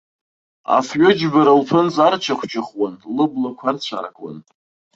Афҩыџьбара лԥынҵа арчыхәчыхәуан, лыблақәа арцәаакуан.